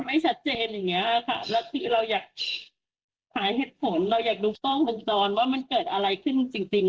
เราอยากนุ่งต้องของจรวมว่ามันเกิดอะไรขึ้นจริง